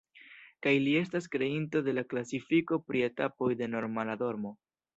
Kaj li estas kreinto de la klasifiko pri etapoj de normala dormo.